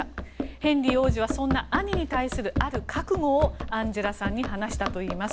ヘンリー王子はそんな兄に対する、ある覚悟をアンジェラさんに話したといいます。